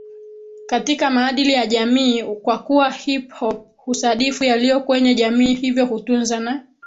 katika maadili ya jamii kwakuwa hip hop husadifu yaliyo kwenye jamii hivyo hutunza na